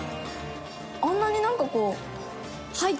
あんなになんかこう。